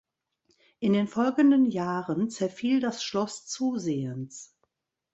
In den folgenden Jahren zerfiel das Schloss zusehends.